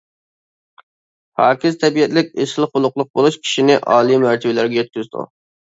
پاكىز تەبىئەتلىك، ئېسىل خۇلقلۇق بولۇش كىشىنى ئالىي مەرتىۋىلەرگە يەتكۈزىدۇ.